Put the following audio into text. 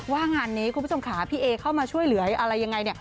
ว่างานนี้คุณผู้ชมขาพี่เอเข้ามาช่วยเหลือยอะไรยังไง